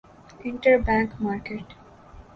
inter bank market